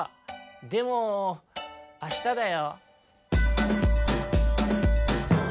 でもあしただよ」。